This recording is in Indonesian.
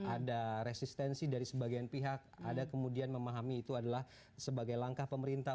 ada resistensi dari sebagian pihak ada kemudian memahami itu adalah sebagai langkah pemerintah